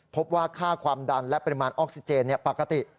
พบว่าค่าความดันและปริมาณออกซิเจนปกติ